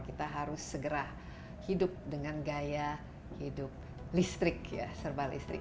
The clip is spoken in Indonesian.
kita harus segera hidup dengan gaya hidup listrik ya serba listrik